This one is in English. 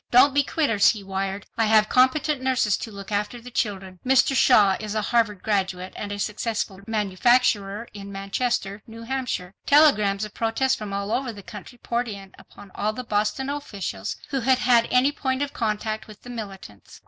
"Don't be quitters," he wired, "I have competent nurses to look after the children." Mr. Shaw is a Harvard graduate and a successful manufacturer in Manchester, New Hampshire. Telegrams of protest from all over the country poured in upon all the Boston officials who had had any point of contact with the militants.